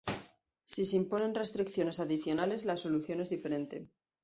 Si se imponen restricciones adicionales la solución es diferente.